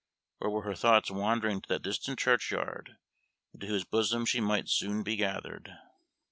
or were her thoughts wandering to that distant churchyard, into whose bosom she might soon be gathered?